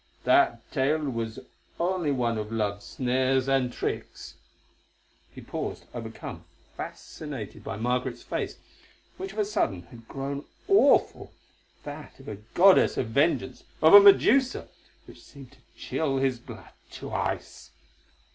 That tale was only one of love's snares and tricks——" He paused, overcome, fascinated by Margaret's face, which of a sudden had grown awful—that of a goddess of vengeance, of a Medusa, which seemed to chill his blood to ice.